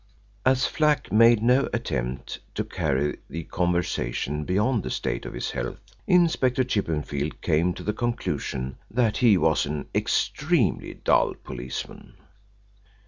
As Flack made no attempt to carry the conversation beyond the state of his health, Inspector Chippenfield came to the conclusion that he was an extremely dull policeman.